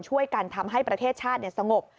ช่วยกันทำให้ประเทศชาติสงบ